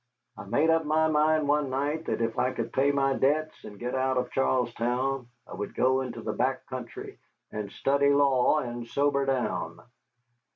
I made up my mind one night that if I could pay my debts and get out of Charlestown I would go into the back country and study law and sober down.